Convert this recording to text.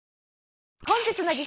本日の激